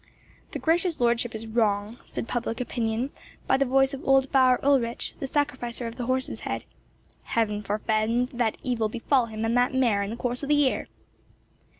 "The gracious lordship is wrong," said public opinion, by the voice of old Bauer Ulrich, the sacrificer of the horse's head. "Heaven forfend that evil befall him and that mare in the course of the year."